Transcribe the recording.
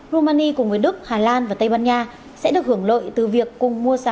romani cùng với đức hà lan và tây ban nha sẽ được hưởng lợi từ việc cùng mua sắm